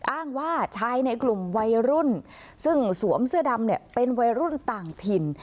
อ้างว่าชายในกลุ่มวัยรุ่นซึ่งสวมเสื้อดำเนี่ยเป็นวัยรุ่นต่างถิ่น